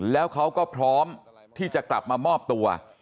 แล้วเขาก็พร้อมที่จะกลับมามอบตัว